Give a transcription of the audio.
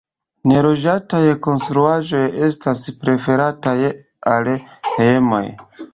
Neloĝataj konstruaĵoj estas preferataj al hejmoj.